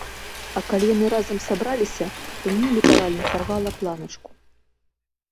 А калі яны разам сабраліся, то мне літаральна сарвала планачку.